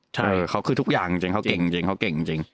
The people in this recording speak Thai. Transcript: ใช่เขาคือทุกอย่างจริงเขาเก่งจริงเขาเก่งจริง